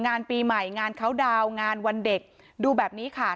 งานปีใหม่งานเขาดาวน์งานวันเด็กดูแบบนี้ค่ะ